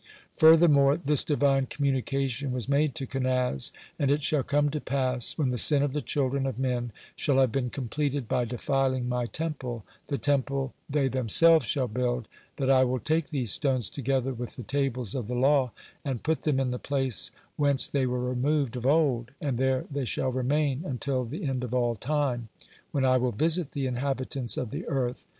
(13) Furthermore, this Divine communication was made to Kenaz: "And it shall come to pass, when the sin of the children of men shall have been completed by defiling My Temple, the Temple they themselves shall build, that I will take these stones, together with the tables of the law, and put them in the place whence they were removed of old, and there they shall remain until the end of all time, when I will visit the inhabitants of the earth.